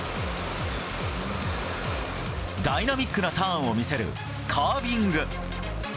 ダイナミックなターンを見せるカービング。